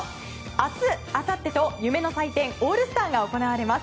明日、あさってと夢の祭典オールスターが行われます。